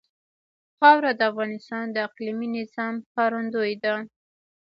خاوره د افغانستان د اقلیمي نظام ښکارندوی ده.